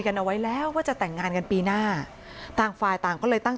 กันเอาไว้แล้วว่าจะแต่งงานกันปีหน้าต่างฝ่ายต่างก็เลยตั้ง